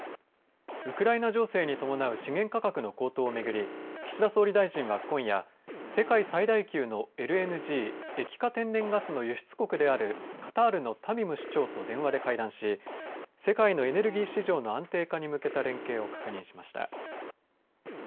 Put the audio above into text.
ウクライナ情勢に伴う資源価格の高騰をめぐり岸田総理大臣は今夜世界最大級のＬＮＧ液化天然ガスの輸出国であるカタールのタミム首長と電話で会談し世界のエネルギー市場の安定化に向けた連携を確認しました。